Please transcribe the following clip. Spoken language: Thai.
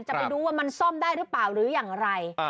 จะไปดูว่ามันซ่อมได้หรือเปล่าหรืออย่างไร